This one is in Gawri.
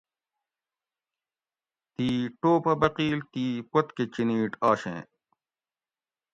تی ٹوپہ بقیل تی پوت کہ چینیٹ آشیں